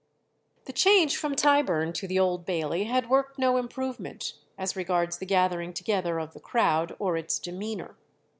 The change from Tyburn to the Old Bailey had worked no improvement as regards the gathering together of the crowd or its demeanour.